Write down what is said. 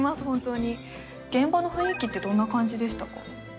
本当に現場の雰囲気ってどんな感じでしたか？